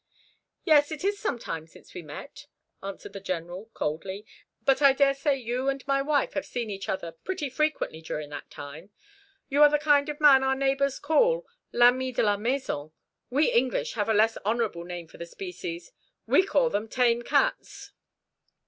"Yes, it is some time since we met," answered the General coldly; "but I daresay you and my wife have seen each other pretty frequently during that time. You are the kind of man our neighbours call l'ami de la maison. We English have a less honourable name for the species. We call them tame cats."